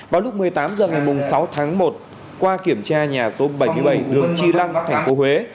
vào lúc một mươi tám h ngày sáu tháng một qua kiểm tra nhà số bảy mươi bảy đường chi lăng tp huế